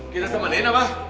kita temanin apa